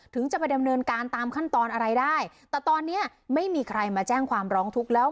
จะไปดำเนินการตามขั้นตอนอะไรได้แต่ตอนนี้ไม่มีใครมาแจ้งความร้องทุกข์แล้ว